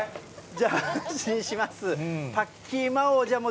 じゃあ、安心します。